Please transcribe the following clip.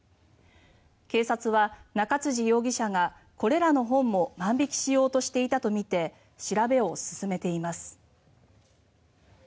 警察は、中辻容疑者がこれらの本も万引きしようとしていたとみて調べを進めています。